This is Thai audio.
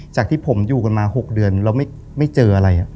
จากที่ผมอยู่กันมา๖เดือนแล้วไม่เจออะไร